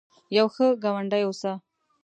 یو ښه ګاونډي اوسه